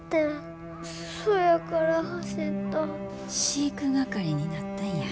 飼育係になったんや。